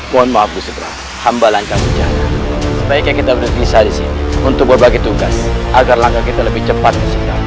conma bus south humble jamin k chasing discs untuk berbagi tugas agar langkah itu lebih cepat ya